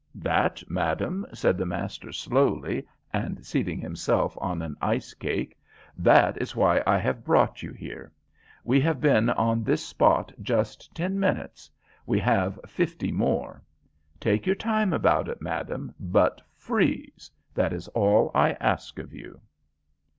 "That, madam," said the master slowly, and seating himself on an ice cake "that is why I have brought you here. We have been on this spot just ten minutes, we have fifty more. Take your time about it, madam, but freeze, that is all I ask of you."